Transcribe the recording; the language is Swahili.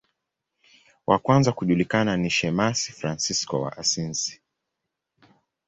Wa kwanza kujulikana ni shemasi Fransisko wa Asizi.